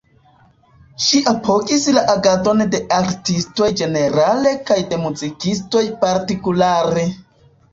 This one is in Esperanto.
Ŝi apogis la agadon de artistoj ĝenerale kaj de muzikistoj partikulare.